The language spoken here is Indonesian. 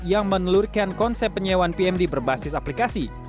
yang menelurkan konsep penyewaan pmd berbasis aplikasi